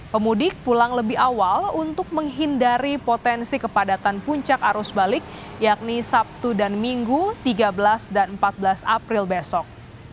pemudik pulang lebih awal untuk menghindari potensi kepadatan puncak arus balik yakni sabtu dan minggu tiga belas dan empat belas april besok